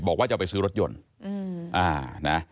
บอกว่าจะไปซื้อรถยนต์